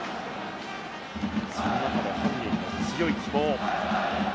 その中で本人の強い希望。